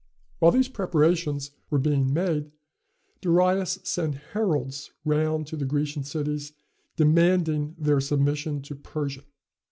While these preparations were being made, Darius sent heralds round to the Grecian cities demanding their submission to Persia.